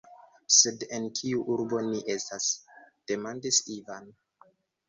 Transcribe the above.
Sed en kiu urbo ni estas?demandis Ivan.